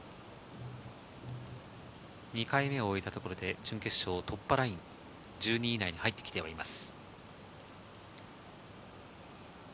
２回目を終えたところで準決勝突破ライン、１０位以内に入ってきています。